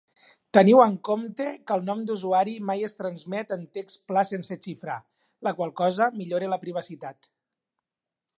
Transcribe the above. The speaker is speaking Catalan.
Teniu en compte que el nom d'usuari mai es transmet en text pla sense xifrar, la qual cosa millora la privacitat.